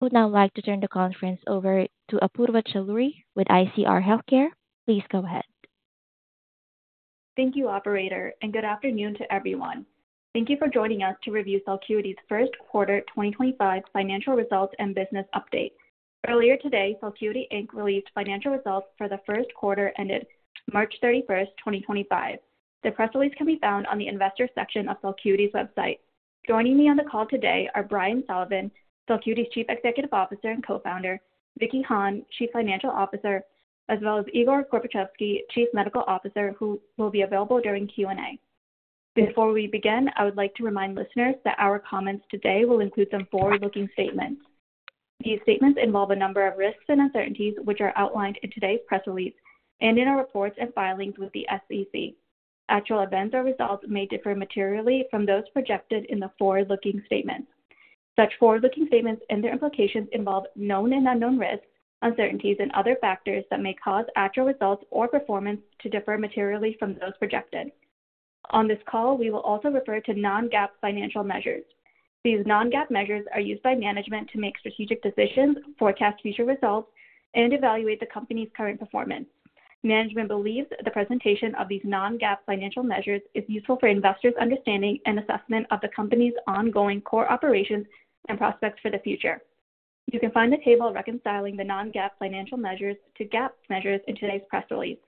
Now I'd like to turn the conference over to Apoorva Chaloori with ICR Healthcare. Please go ahead. Thank you, Operator, and good afternoon to everyone. Thank you for joining us to review Celcuity's first quarter 2025 financial results and business update. Earlier today, Celcuity released financial results for the first quarter ended March 31, 2025. The press release can be found on the Investor section of Celcuity's website. Joining me on the call today are Brian Sullivan, Celcuity's Chief Executive Officer and Co-founder; Vicky Hahne, Chief Financial Officer; as well as Igor Gorbatchevsky, Chief Medical Officer, who will be available during Q&A. Before we begin, I would like to remind listeners that our comments today will include some forward-looking statements. These statements involve a number of risks and uncertainties, which are outlined in today's press release and in our reports and filings with the SEC. Actual events or results may differ materially from those projected in the forward-looking statements. Such forward-looking statements and their implications involve known and unknown risks, uncertainties, and other factors that may cause actual results or performance to differ materially from those projected. On this call, we will also refer to non-GAAP financial measures. These non-GAAP measures are used by management to make strategic decisions, forecast future results, and evaluate the company's current performance. Management believes the presentation of these non-GAAP financial measures is useful for investors' understanding and assessment of the company's ongoing core operations and prospects for the future. You can find a table reconciling the non-GAAP financial measures to GAAP measures in today's press release.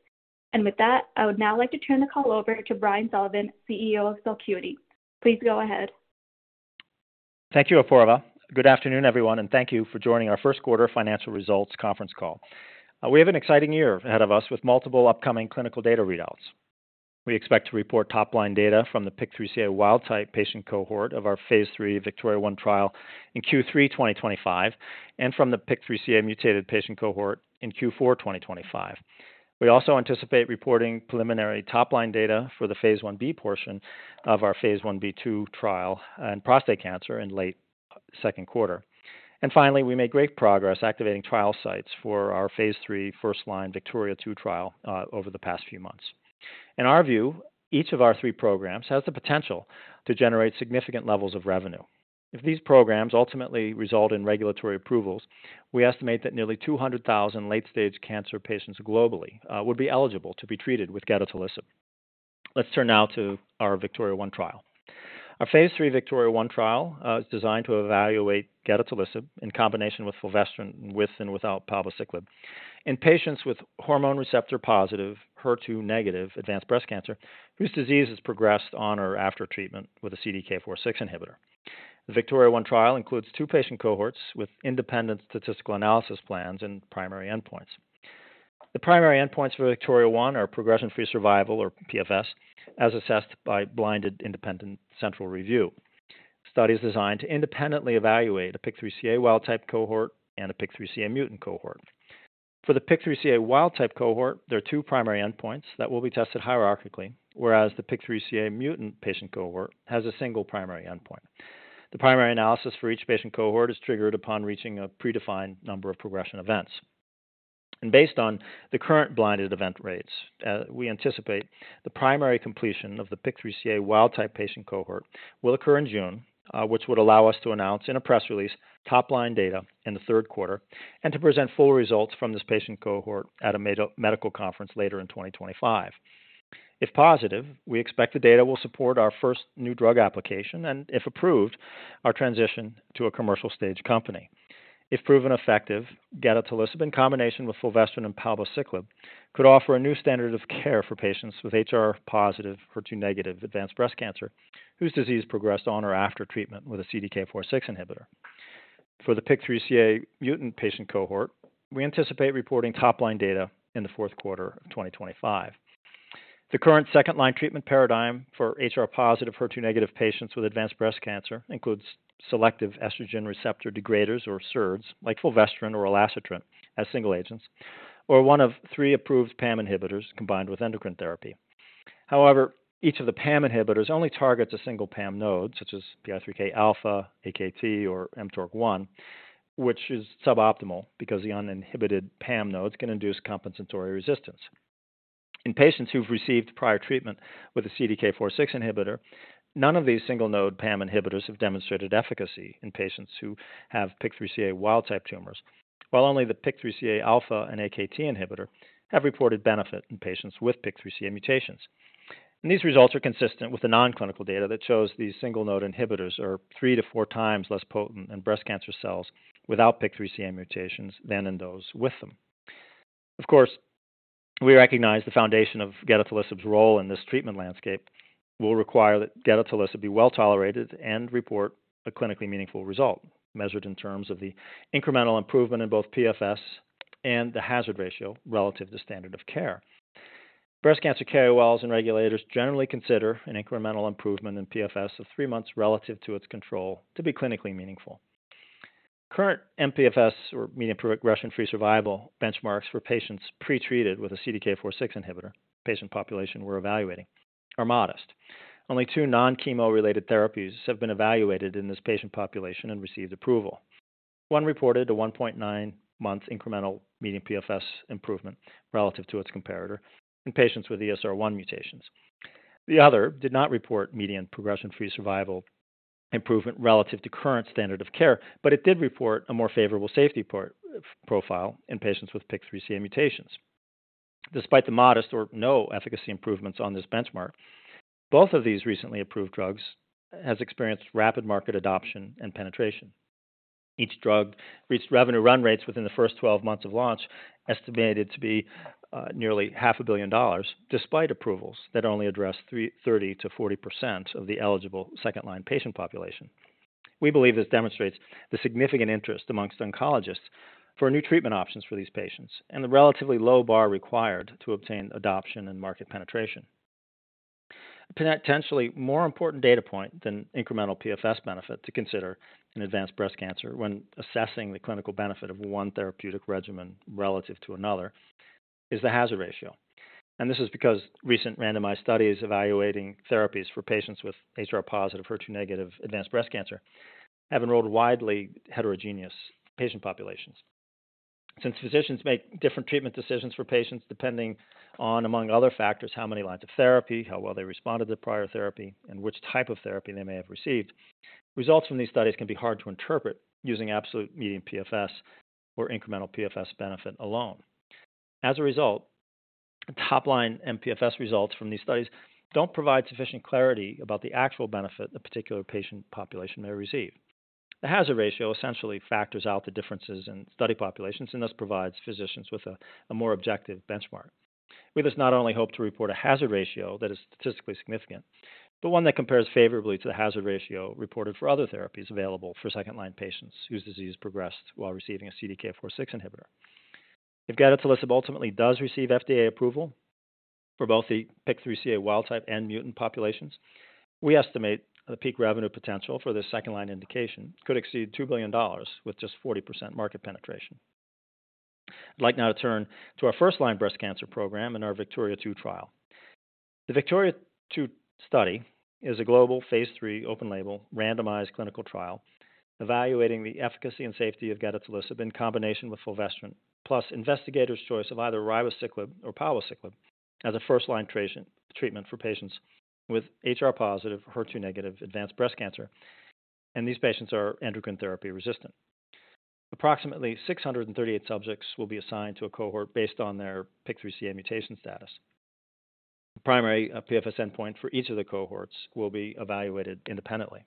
I would now like to turn the call over to Brian Sullivan, CEO of Celcuity. Please go ahead. Thank you, Apoorva. Good afternoon, everyone, and thank you for joining our first quarter financial results conference call. We have an exciting year ahead of us with multiple upcoming clinical data readouts. We expect to report top-line data from the PIK3CA wild-type patient cohort of our phase III, VIKTORIA-1 trial in Q3 2025, and from the PIK3CA mutated patient cohort in Q4 2025. We also anticipate reporting preliminary top-line data for the phase I-B portion of our phase I-B2 trial in prostate cancer in late second quarter. Finally, we made great progress activating trial sites for our phase III, first-line VIKTORIA-2 trial over the past few months. In our view, each of our three programs has the potential to generate significant levels of revenue. If these programs ultimately result in regulatory approvals, we estimate that nearly 200,000 late-stage cancer patients globally would be eligible to be treated with gedatolisib. Let's turn now to our VIKTORIA-1 trial. Our phase III VIKTORIA-1 trial is designed to evaluate gedatolisib in combination with fulvestrant with and without palbociclib in patients with hormone receptor-positive, HER2-negative advanced breast cancer whose disease has progressed on or after treatment with a CDK4/6 inhibitor. The VIKTORIA-1 trial includes two patient cohorts with independent statistical analysis plans and primary endpoints. The primary endpoints for VIKTORIA-1 are progression-free survival, or PFS, as assessed by blinded independent central review. The study is designed to independently evaluate a PIK3CA wild-type cohort and a PIK3CA mutant cohort. For the PIK3CA wild-type cohort, there are two primary endpoints that will be tested hierarchically, whereas the PIK3CA mutant patient cohort has a single primary endpoint. The primary analysis for each patient cohort is triggered upon reaching a predefined number of progression events. Based on the current blinded event rates, we anticipate the primary completion of the PIK3CA wild-type patient cohort will occur in June, which would allow us to announce in a press release top-line data in the third quarter and to present full results from this patient cohort at a medical conference later in 2025. If positive, we expect the data will support our first new drug application and, if approved, our transition to a commercial-stage company. If proven effective, gedatolisib in combination with fulvestrant and palbociclib could offer a new standard of care for patients with HR-positive, HER2-negative advanced breast cancer whose disease progressed on or after treatment with a CDK4/6 inhibitor. For the PIK3CA mutant patient cohort, we anticipate reporting top-line data in the fourth quarter of 2025. The current second-line treatment paradigm for HR-positive, HER2-negative patients with advanced breast cancer includes selective estrogen receptor degraders, or SERDs, like fulvestrant or elacestrant as single agents, or one of three approved PAM inhibitors combined with endocrine therapy. However, each of the PAM inhibitors only targets a single PAM node, such as PI3K alpha, AKT, or mTORC1, which is suboptimal because the uninhibited PAM nodes can induce compensatory resistance. In patients who have received prior treatment with a CDK4/6 inhibitor, none of these single-node PAM inhibitors have demonstrated efficacy in patients who have PIK3CA wild-type tumors, while only the PI3K alpha and AKT inhibitor have reported benefit in patients with PIK3CA mutations. These results are consistent with the non-clinical data that shows these single-node inhibitors are 3x-4x less potent in breast cancer cells without PIK3CA mutations than in those with them. Of course, we recognize the foundation of gedatolisib's role in this treatment landscape will require that gedatolisib be well tolerated and report a clinically meaningful result measured in terms of the incremental improvement in both PFS and the hazard ratio relative to standard of care. Breast cancer KOLs and regulators generally consider an incremental improvement in PFS of three months relative to its control to be clinically meaningful. Current mPFS, or median progression-free survival, benchmarks for patients pretreated with a CDK4/6 inhibitor patient population we're evaluating are modest. Only two non-chemo-related therapies have been evaluated in this patient population and received approval. One reported a 1.9-month incremental median PFS improvement relative to its comparator in patients with ESR1 mutations. The other did not report median progression-free survival improvement relative to current standard of care, but it did report a more favorable safety profile in patients with PIK3CA mutations. Despite the modest or no efficacy improvements on this benchmark, both of these recently approved drugs have experienced rapid market adoption and penetration. Each drug reached revenue run rates within the first 12 months of launch estimated to be nearly $500,000,000, despite approvals that only address 30%-40% of the eligible second-line patient population. We believe this demonstrates the significant interest amongst oncologists for new treatment options for these patients and the relatively low bar required to obtain adoption and market penetration. A potentially more important data point than incremental PFS benefit to consider in advanced breast cancer when assessing the clinical benefit of one therapeutic regimen relative to another is the hazard ratio. This is because recent randomized studies evaluating therapies for patients with HR-positive, HER2-negative advanced breast cancer have enrolled widely heterogeneous patient populations. Since physicians make different treatment decisions for patients depending on, among other factors, how many lines of therapy, how well they responded to prior therapy, and which type of therapy they may have received, results from these studies can be hard to interpret using absolute median PFS or incremental PFS benefit alone. As a result, top-line MPFS results from these studies don't provide sufficient clarity about the actual benefit a particular patient population may receive. The hazard ratio essentially factors out the differences in study populations and thus provides physicians with a more objective benchmark. We thus not only hope to report a hazard ratio that is statistically significant, but one that compares favorably to the hazard ratio reported for other therapies available for second-line patients whose disease progressed while receiving a CDK4/6 inhibitor. If gedatolisib ultimately does receive FDA approval for both the PIK3CA wild-type and mutant populations, we estimate the peak revenue potential for this second-line indication could exceed $2 billion with just 40% market penetration. I'd like now to turn to our first-line breast cancer program and our VIKTORIA-2 trial. The VIKTORIA-2 study is a global phase III, open-label, randomized clinical trial evaluating the efficacy and safety of gedatolisib in combination with fulvestrant, plus investigators' choice of either ribociclib or palbociclib as a first-line treatment for patients with HR-positive, HER2-negative advanced breast cancer, and these patients are endocrine therapy resistant. Approximately 638 subjects will be assigned to a cohort based on their PIK3CA mutation status. The primary PFS endpoint for each of the cohorts will be evaluated independently.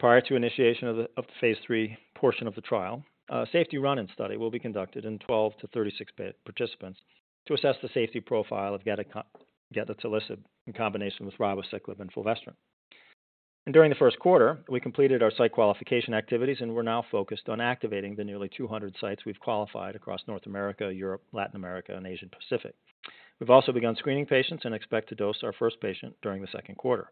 Prior to initiation of the phase III portion of the trial, a safety run-in study will be conducted in 12-36 participants to assess the safety profile of gedatolisib in combination with ribociclib and fulvestrant. During the first quarter, we completed our site qualification activities and we are now focused on activating the nearly 200 sites we have qualified across North America, Europe, Latin America, and Asia-Pacific. We have also begun screening patients and expect to dose our first patient during the second quarter.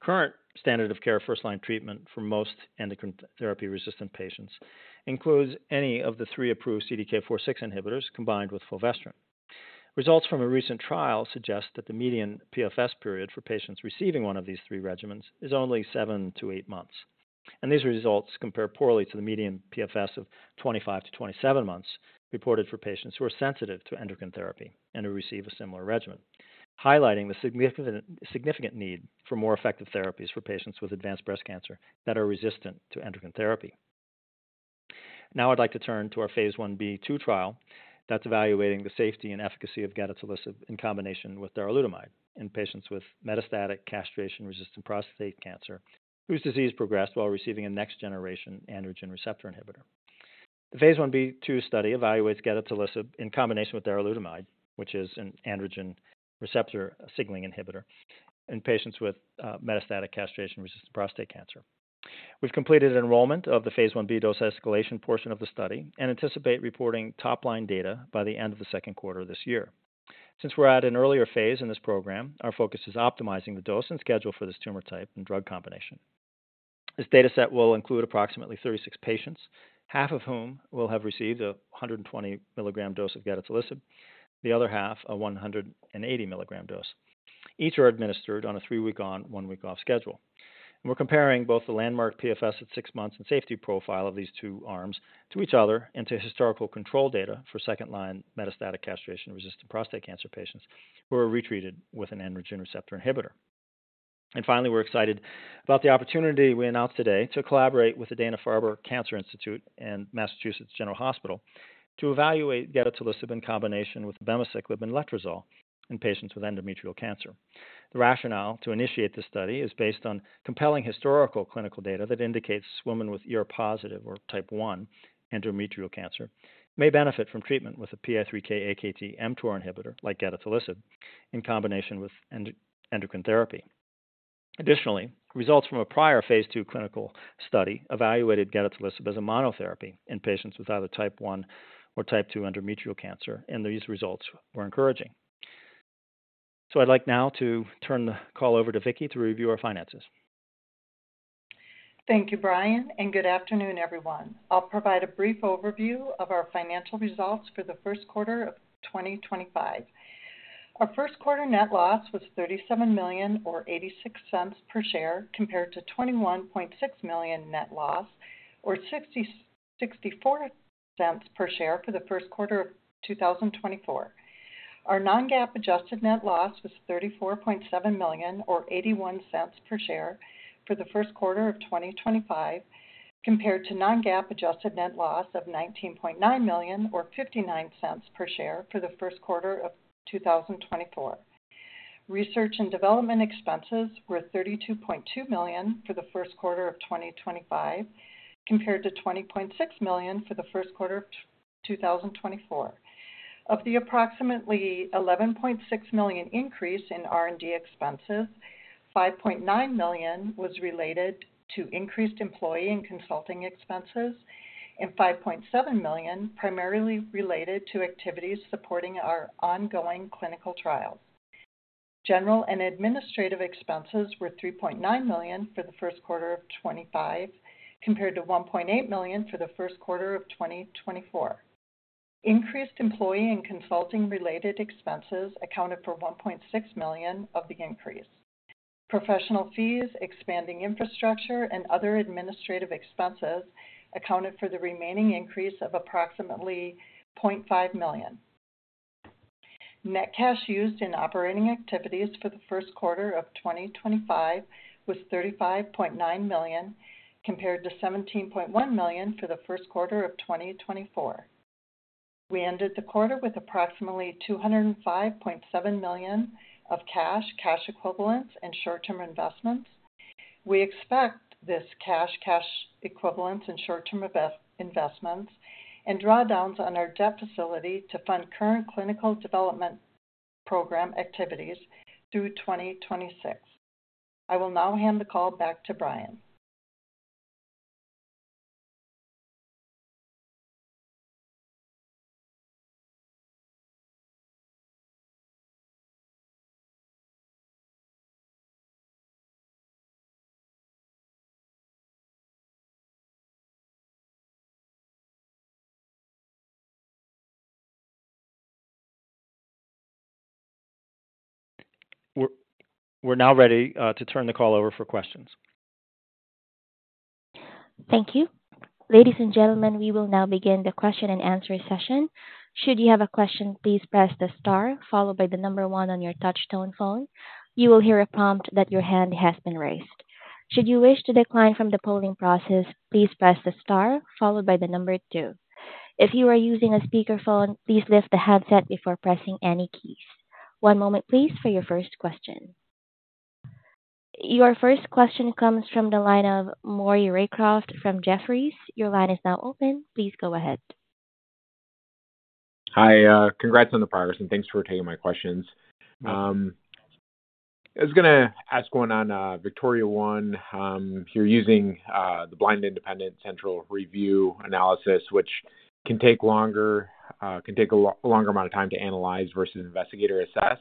Current standard of care first-line treatment for most endocrine therapy resistant patients includes any of the three approved CDK4/6 inhibitors combined with fulvestrant. Results from a recent trial suggest that the median PFS period for patients receiving one of these three regimens is only seven to eight months. These results compare poorly to the median PFS of 25-27 months reported for patients who are sensitive to endocrine therapy and who receive a similar regimen, highlighting the significant need for more effective therapies for patients with advanced breast cancer that are resistant to endocrine therapy. Now I'd like to turn to our phase I-B/II trial that is evaluating the safety and efficacy of gedatolisib in combination with darolutamide in patients with metastatic castration-resistant prostate cancer whose disease progressed while receiving a next-generation androgen receptor inhibitor. The phase I-B/II study evaluates gedatolisib in combination with darolutamide, which is an androgen receptor signaling inhibitor, in patients with metastatic castration-resistant prostate cancer. We've completed enrollment of the phase I-B dose escalation portion of the study and anticipate reporting top-line data by the end of the second quarter of this year. Since we're at an earlier phase in this program, our focus is optimizing the dose and schedule for this tumor type and drug combination. This data set will include approximately 36 patients, half of whom will have received a 120 mg dose of gedatolisib, the other half a 180 mg dose. Each are administered on a three-week-on, one-week-off schedule. We're comparing both the landmark PFS at six months and safety profile of these two arms to each other and to historical control data for second-line metastatic castration-resistant prostate cancer patients who are retreated with an androgen receptor inhibitor. Finally, we're excited about the opportunity we announced today to collaborate with the Dana-Farber Cancer Institute and Massachusetts General Hospital to evaluate gedatolisib in combination with abemaciclib and letrozole in patients with endometrial cancer. The rationale to initiate this study is based on compelling historical clinical data that indicates women with ER-positive, or type one, endometrial cancer may benefit from treatment with a PI3K, AKT, mTOR inhibitor like gedatolisib in combination with endocrine therapy. Additionally, results from a prior phase II clinical study evaluated gedatolisib as a monotherapy in patients with either type one or type two endometrial cancer, and these results were encouraging. I would like now to turn the call over to Vicky to review our finances. Thank you, Brian, and good afternoon, everyone. I will provide a brief overview of our financial results for the first quarter of 2025. Our first quarter net loss was $37 million, or $0.86 per share, compared to $21.6 million net loss, or $0.64 per share for the first quarter of 2024. Our non-GAAP adjusted net loss was $34.7 million, or $0.81 per share for the first quarter of 2025, compared to non-GAAP adjusted net loss of $19.9 million, or $0.59 per share for the first quarter of 2024. Research and development expenses were $32.2 million for the first quarter of 2025, compared to $20.6 million for the first quarter of 2024. Of the approximately $11.6 million increase in R&D expenses, $5.9 million was related to increased employee and consulting expenses, and $5.7 million primarily related to activities supporting our ongoing clinical trials. General and administrative expenses were $3.9 million for the first quarter of 2025, compared to $1.8 million for the first quarter of 2024. Increased employee and consulting-related expenses accounted for $1.6 million of the increase. Professional fees, expanding infrastructure, and other administrative expenses accounted for the remaining increase of approximately $0.5 million. Net cash used in operating activities for the first quarter of 2025 was $35.9 million, compared to $17.1 million for the first quarter of 2024. We ended the quarter with approximately $205.7 million of cash, cash equivalents, and short-term investments. We expect this cash, cash equivalents, and short-term investments and drawdowns on our debt facility to fund current clinical development program activities through 2026. I will now hand the call back to Brian. We're now ready to turn the call over for questions. Thank you. Ladies and gentlemen, we will now begin the question and answer session. Should you have a question, please press the star, followed by the number one on your touch-tone phone. You will hear a prompt that your hand has been raised. Should you wish to decline from the polling process, please press the star, followed by the number two. If you are using a speakerphone, please lift the headset before pressing any keys. One moment, please, for your first question. Your first question comes from the line of Maury Raycroft from Jefferies. Your line is now open. Please go ahead. Hi. Congrats on the progress, and thanks for taking my questions. I was going to ask one on Victoria One. You're using the blinded independent central review analysis, which can take longer, can take a longer amount of time to analyze versus investigator-assessed.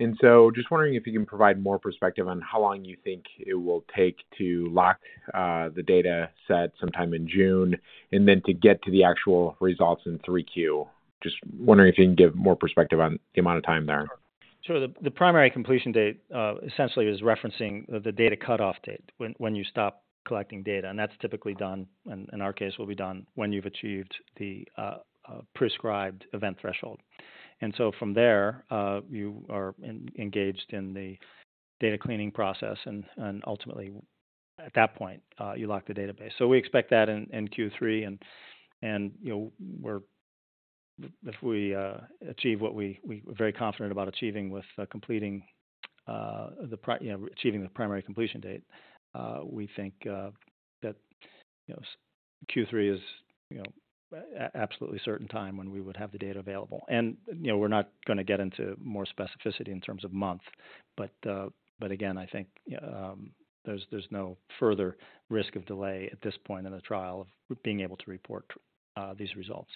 Just wondering if you can provide more perspective on how long you think it will take to lock the data set sometime in June and then to get to the actual results in 3Q. Just wondering if you can give more perspective on the amount of time there. Sure. The primary completion date essentially is referencing the data cutoff date when you stop collecting data. That's typically done, in our case, will be done when you've achieved the prescribed event threshold. From there, you are engaged in the data cleaning process, and ultimately, at that point, you lock the database. We expect that in Q3. If we achieve what we are very confident about achieving with completing the achieving the primary completion date, we think that Q3 is absolutely certain time when we would have the data available. We're not going to get into more specificity in terms of month. Again, I think there's no further risk of delay at this point in the trial of being able to report these results.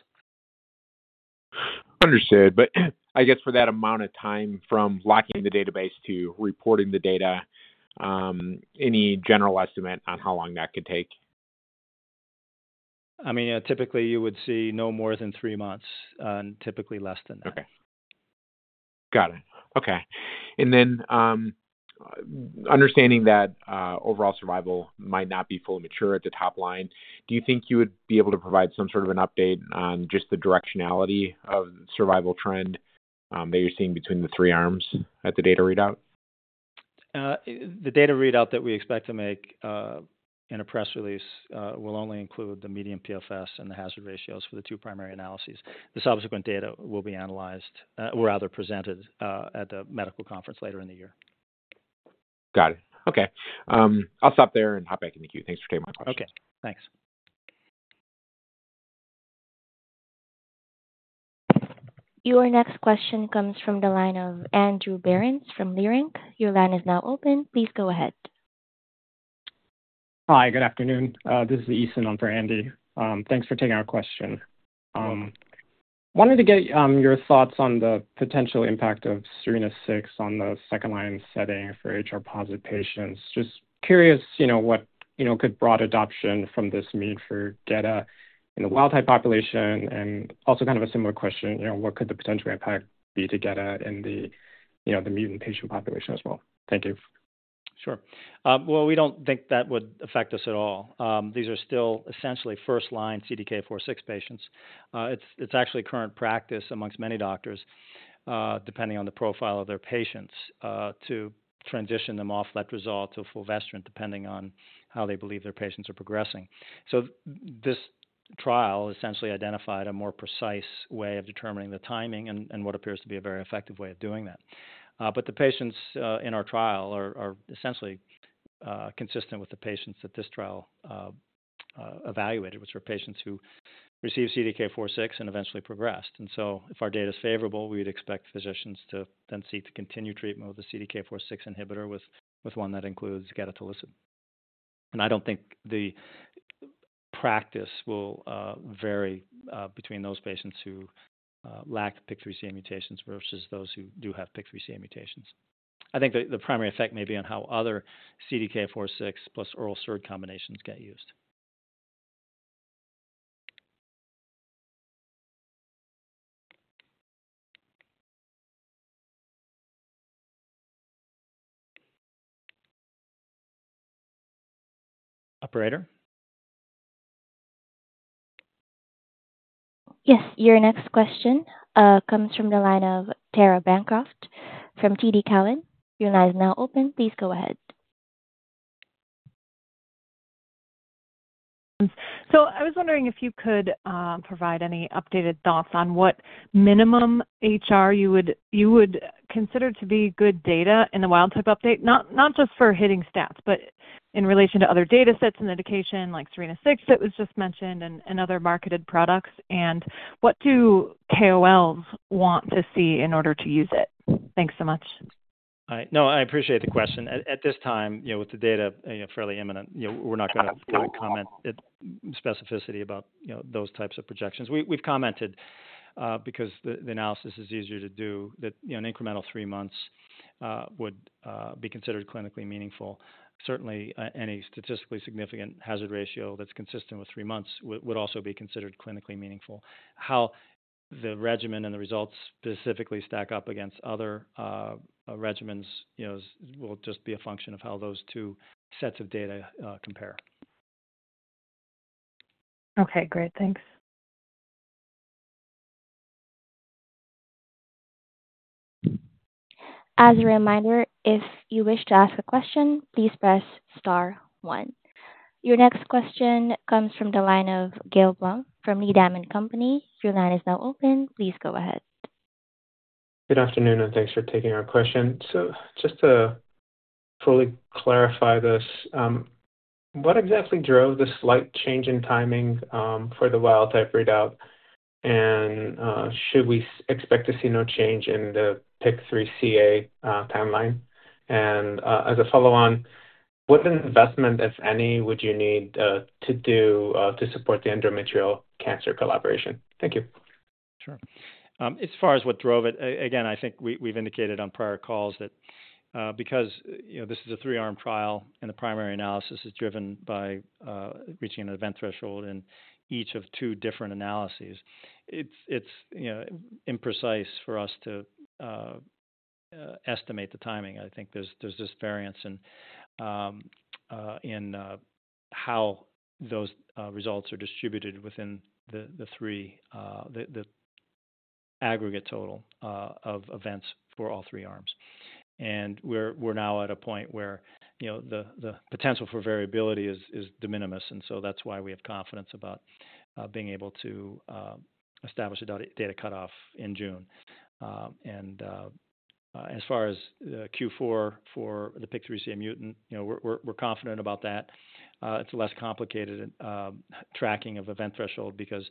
Understood. I guess for that amount of time from locking the database to reporting the data, any general estimate on how long that could take? I mean, typically, you would see no more than three months and typically less than that. Okay. Got it. Okay. Understanding that overall survival might not be fully mature at the top line, do you think you would be able to provide some sort of an update on just the directionality of the survival trend that you're seeing between the three arms at the data readout? The data readout that we expect to make in a press release will only include the median PFS and the hazard ratios for the two primary analyses. The subsequent data will be analyzed or rather presented at the medical conference later in the year. Got it. Okay. I'll stop there and hop back in the queue. Thanks for taking my question. Okay. Thanks. Your next question comes from the line of Andrew Berens from Leerink. Your line is now open. Please go ahead. Hi. Good afternoon. This is Ethan. I'm for Andy. Thanks for taking our question. Wanted to get your thoughts on the potential impact of SERENA-6 on the second-line setting for HR-positive patients. Just curious what could broad adoption from this mean for GATA in the wild-type population. And also kind of a similar question, what could the potential impact be to GATA in the mutant patient population as well? Thank you. Sure. We don't think that would affect us at all. These are still essentially first-line CDK4/6 patients. It's actually current practice amongst many doctors, depending on the profile of their patients, to transition them off letrozole to fulvestrant, depending on how they believe their patients are progressing. This trial essentially identified a more precise way of determining the timing and what appears to be a very effective way of doing that. The patients in our trial are essentially consistent with the patients that this trial evaluated, which were patients who received CDK4/6 and eventually progressed. If our data is favorable, we'd expect physicians to then seek to continue treatment with a CDK4/6 inhibitor with one that includes gedatolisib. I do not think the practice will vary between those patients who lack PIK3CA mutations versus those who do have PIK3CA mutations. I think the primary effect may be on how other CDK4/6 plus oral SERD combinations get used. Operator? Yes. Your next question comes from the line of Tara Bancroft from TD Cowen. Your line is now open. Please go ahead. I was wondering if you could provide any updated thoughts on what minimum HR you would consider to be good data in the wild-type update, not just for hitting stats, but in relation to other data sets and indication like SERENA-6 that was just mentioned and other marketed products. What do KOLs want to see in order to use it? Thanks so much. All right. No, I appreciate the question. At this time, with the data fairly imminent, we're not going to comment specificity about those types of projections. We've commented because the analysis is easier to do that an incremental three months would be considered clinically meaningful. Certainly, any statistically significant hazard ratio that's consistent with three months would also be considered clinically meaningful. How the regimen and the results specifically stack up against other regimens will just be a function of how those two sets of data compare. Okay. Great. Thanks. As a reminder, if you wish to ask a question, please press star one. Your next question comes from the line of Gil Blum from Needham & Company. Your line is now open. Please go ahead. Good afternoon, and thanks for taking our question. Just to fully clarify this, what exactly drove the slight change in timing for the wild-type readout? Should we expect to see no change in the PIK3CA timeline? As a follow-on, what investment, if any, would you need to do to support the endometrial cancer collaboration? Thank you. Sure. As far as what drove it, again, I think we've indicated on prior calls that because this is a three-arm trial and the primary analysis is driven by reaching an event threshold in each of two different analyses, it's imprecise for us to estimate the timing. I think there's this variance in how those results are distributed within the three aggregate total of events for all three arms. We're now at a point where the potential for variability is de minimis. That's why we have confidence about being able to establish a data cutoff in June. As far as Q4 for the PIK3CA mutant, we're confident about that. It's less complicated tracking of event threshold because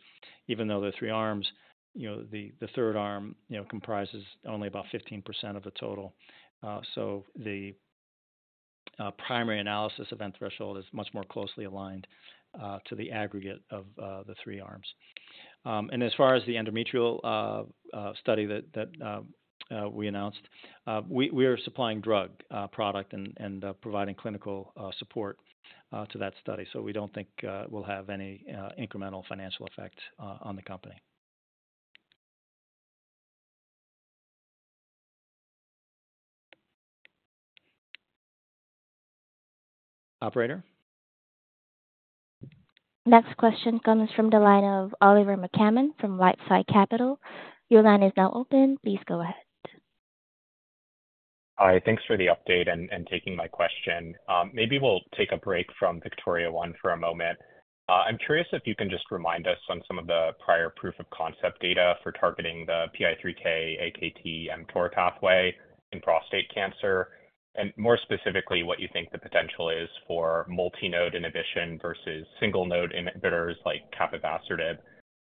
even though there are three arms, the third arm comprises only about 15% of the total. The primary analysis event threshold is much more closely aligned to the aggregate of the three arms. As far as the endometrial study that we announced, we are supplying drug product and providing clinical support to that study. We do not think we will have any incremental financial effect on the company. Operator? Next question comes from the line of Oliver McCammon from LifeSci Capital. Your line is now open. Please go ahead. Hi. Thanks for the update and taking my question. Maybe we will take a break from VIKTORIA-1 for a moment. I am curious if you can just remind us on some of the prior proof of concept data for targeting the PI3K AKT mTOR pathway in prostate cancer, and more specifically, what you think the potential is for multi-node inhibition versus single-node inhibitors like capivasertib.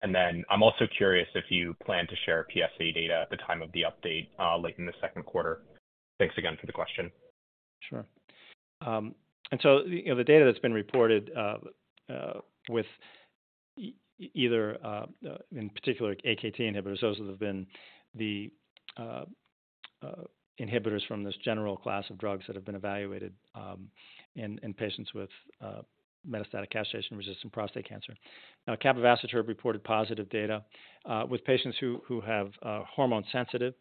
I'm also curious if you plan to share PSA data at the time of the update late in the second quarter. Thanks again for the question. Sure. The data that's been reported with either, in particular, AKT inhibitors, those that have been the inhibitors from this general class of drugs that have been evaluated in patients with metastatic castration-resistant prostate cancer. Now, capivasertib reported positive data with patients who have hormone-sensitive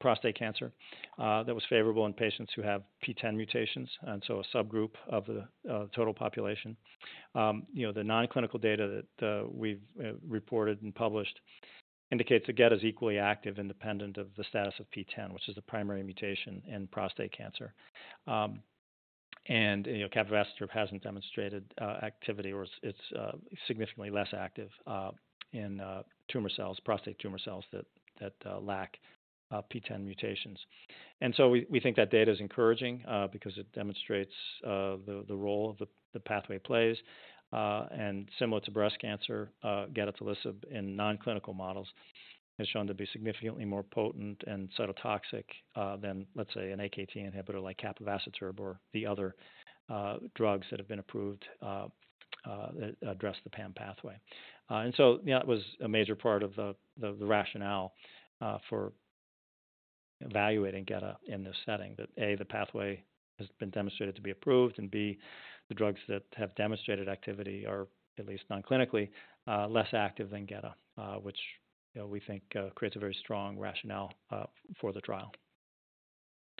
prostate cancer that was favorable in patients who have PTEN mutations, and so a subgroup of the total population. The non-clinical data that we've reported and published indicates that gedatolisib is equally active independent of the status of PTEN, which is the primary mutation in prostate cancer. Capivasertib hasn't demonstrated activity or it's significantly less active in tumor cells, prostate tumor cells that lack PTEN mutations. We think that data is encouraging because it demonstrates the role the pathway plays. Similar to breast cancer, gedatolisib in non-clinical models has shown to be significantly more potent and cytotoxic than, let's say, an AKT inhibitor like capivasertib or the other drugs that have been approved that address the PAM pathway. That was a major part of the rationale for evaluating gedatolisib in this setting, that A, the pathway has been demonstrated to be approved, and B, the drugs that have demonstrated activity are at least non-clinically less active than gedatolisib, which we think creates a very strong rationale for the trial.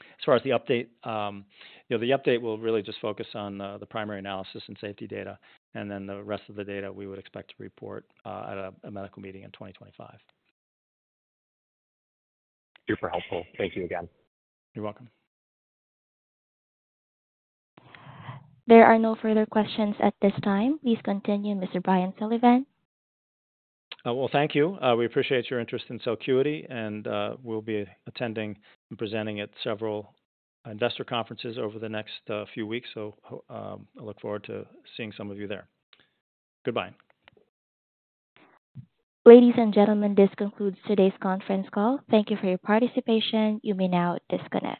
As far as the update, the update will really just focus on the primary analysis and safety data, and then the rest of the data we would expect to report at a medical meeting in 2025. Super helpful. Thank you again. You're welcome. There are no further questions at this time. Please continue, Mr. Brian Sullivan. Thank you. We appreciate your interest in Celcuity, and we'll be attending and presenting at several investor conferences over the next few weeks. I look forward to seeing some of you there. Goodbye. Ladies and gentlemen, this concludes today's conference call. Thank you for your participation. You may now disconnect.